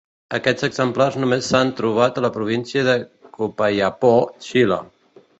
Aquests exemplars només s'han trobat a la província de Copiapó, Xile.